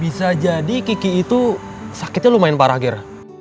bisa jadi kiki itu sakitnya lumayan parah gitu